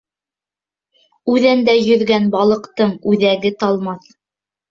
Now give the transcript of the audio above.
Үҙәндә йөҙгән балыҡтың үҙәге талмаҫ.